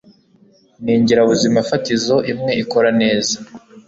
n ingirabuzimafatizo imwe ikora neza